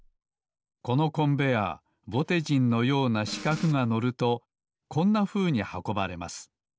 このコンベアーぼてじんのようなしかくが乗るとこんなふうにはこばれます。